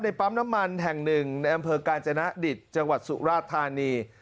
ปั๊มน้ำมันแห่งหนึ่งในอำเภอกาญจนดิตจังหวัดสุราธานี